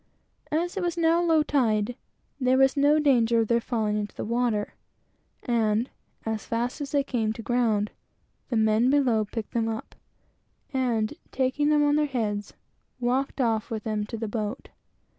As it was now low tide, there was no danger of their falling into the water, and as fast as they came to ground, the men below picked them up, and taking them on their heads, walked off with them to the boat.